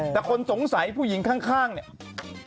แต่คนสงสัยผู้หญิงข้างเนี่ย